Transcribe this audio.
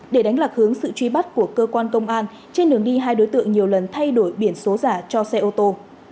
để đánh lạc hướng sự truy bắt của cơ quan công an trên đường đi hai đối tượng nhiều lần thay đổi biển số giả cho xe ô tô